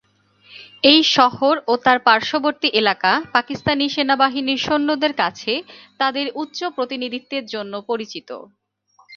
এই শহর ও তার পার্শ্ববর্তী এলাকা পাকিস্তানি সেনাবাহিনীর সৈন্যদের কাছে তাদের উচ্চ প্রতিনিধিত্বের জন্য পরিচিত।